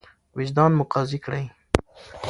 وجدان مو قاضي کړئ.